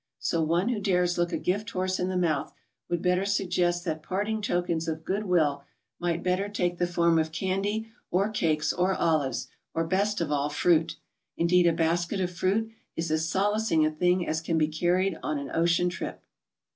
So one who dares look a gift horse in the mouth, would better suggest that parting tokens of good will might better take the form of candy or cakes or olives or' best of all, fruit. Indeed a basket of fruit is as solacing a thing as can be carried on an ocean trip.